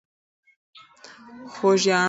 خوږیاڼۍ.